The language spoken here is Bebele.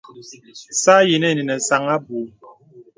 Sa yinə īnə nə sāŋ aboui.